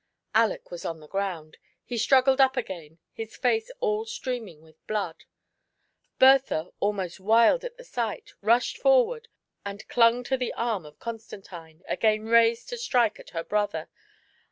Aleck was on the ground ; he stniggled up a^ain, hia face all streaining with ' blood ; Bertha, almost wild at the sight, rushed forward and clung to the arm of Con Btantine, again raised to strike at her brother.